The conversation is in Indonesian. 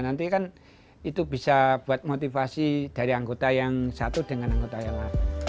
nanti kan itu bisa buat motivasi dari anggota yang satu dengan anggota yang lain